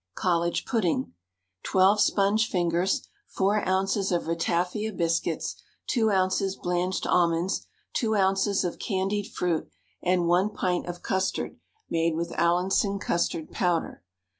COLLEGE PUDDING. Twelve sponge fingers, 4 oz. of ratafia biscuits, 2 oz. blanched almonds, 2 oz. of candied fruit, and 1 pint of custard made with Allinson custard powder.